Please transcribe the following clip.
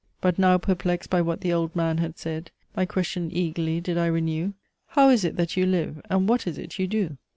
But now, perplex'd by what the Old Man had said, My question eagerly did I renew, 'How is it that you live, and what is it you do?'